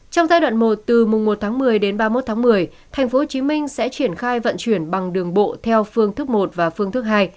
trong giai đoạn một từ mùng một tháng một mươi đến ba mươi một tháng một mươi tp hcm sẽ triển khai vận chuyển bằng đường bộ theo phương thức một và phương thức hai